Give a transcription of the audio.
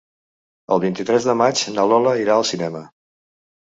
El vint-i-tres de maig na Lola irà al cinema.